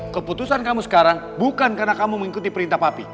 keputusan kamu sekarang bukan karena kamu mengikuti perintah papi